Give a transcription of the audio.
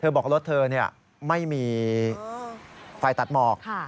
เธอบอกว่ารถเธอไม่มีไฟตัดหมอก